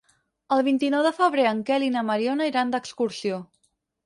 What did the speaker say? El vint-i-nou de febrer en Quel i na Mariona iran d'excursió.